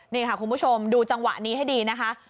นี่ค่ะคุณผู้ชมดูจังหวะนี้ให้ดีนะคะ